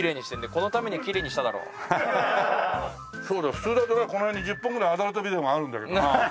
普通だとこの辺に１０本くらいアダルトビデオがあるんだけどな。